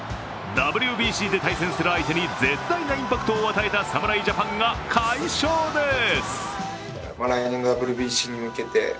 ＷＢＣで対戦する相手に絶大なインパクトを与えた侍ジャパンが快勝です。